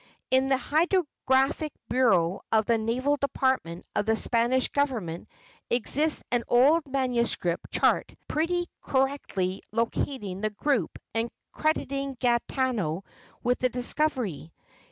In the hydrographic bureau of the naval department of the Spanish government exists an old manuscript chart pretty correctly locating the group and crediting Gaetano with the discovery.